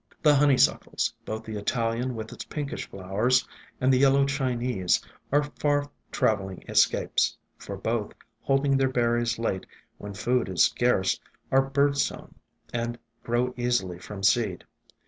The Honeysuckles, both the Italian with its pinkish flowers, and the yellow Chinese, are far travelling escapes, for both, holding their berries late, when food is scarce, are bird sown, and grow easily from seed.